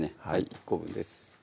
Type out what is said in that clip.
１個分です